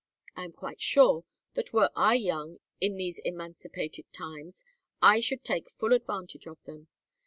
I am quite sure that were I young in these emancipated times I should take full advantage of them.